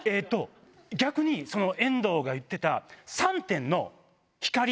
逆に遠藤が言ってた。